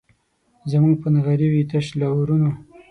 زموږ به نغري وي تش له اورونو